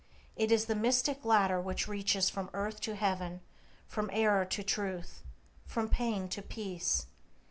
It is the mystic ladder which reaches from earth to heaven, from error to Truth, from pain to peace.